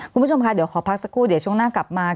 คุณผู้ชมค่ะเดี๋ยวขอพักสักครู่เดี๋ยวช่วงหน้ากลับมา